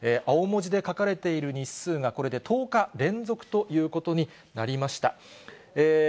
青文字で書かれている日数が、これで１０日連続ということになりました。